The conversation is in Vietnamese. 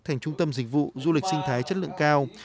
thành trung tâm dịch vụ du lịch sinh thái chất lượng cao